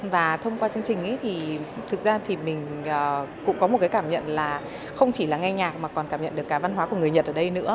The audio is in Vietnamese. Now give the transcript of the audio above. và thông qua chương trình thì thực ra thì mình cũng có một cái cảm nhận là không chỉ là nghe nhạc mà còn cảm nhận được cả văn hóa của người nhật ở đây nữa